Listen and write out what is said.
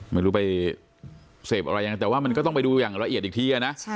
ไม่รู้ไปเสพอะไรยังไงแต่ว่ามันก็ต้องไปดูอย่างละเอียดอีกทีนะ